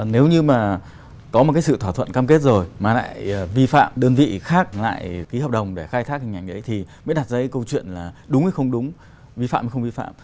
nếu như mà có một cái sự thỏa thuận cam kết rồi mà lại vi phạm đơn vị khác lại ký hợp đồng để khai thác hình ảnh đấy thì mới đặt ra cái câu chuyện là đúng hay không đúng vi phạm hay không vi phạm